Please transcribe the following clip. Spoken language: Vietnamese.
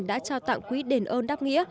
đã trao tặng quý đền ơn đáp nghĩa